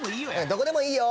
どこでもいいよ！